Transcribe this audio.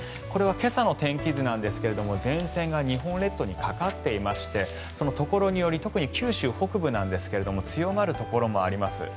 これは今朝の天気図なんですが前線が日本列島にかかっていましてところにより特に九州北部なんですが強まるところもあります。